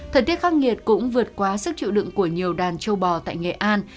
thời tiết khắc nghiệt cũng vượt quá sức chịu đựng của nhiều đàn châu bò tại nghệ an